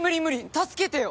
助けてよ！